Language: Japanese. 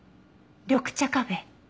緑茶カフェ？